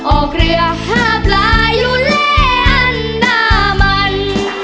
ออกเรือหาปลายอยู่และอันนามัน